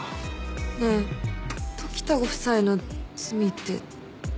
ねえ時田ご夫妻の罪って時効だよね？